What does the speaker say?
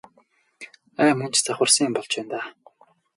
Ай мөн ч завхарсан юм болж байна даа.